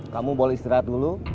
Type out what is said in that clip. kamu boleh istirahat dulu